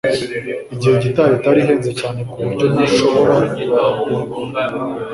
Iyi gitari ihenze cyane kuburyo ntashobora kuyigura